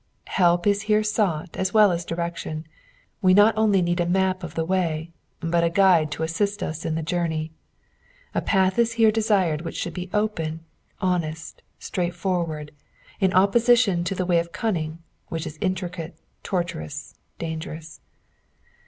Help is here sought as well as direction; we not only need a map of the way, but a Buide to assist us in tho journey. A path is here deured which shall be open, honest, straightforward, in opposition to the way of cunning, which is intricate, tortuous, dangerous.